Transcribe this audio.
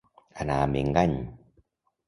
Anar amb engany.